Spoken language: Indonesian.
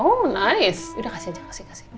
oh menangis udah kasih aja kasih kasih